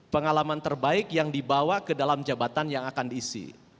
pengalaman terbaik yang dibawa ke dalam jabatan yang akan diisi